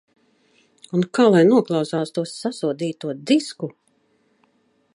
Un kā lai noklausās to sasodīto disku?...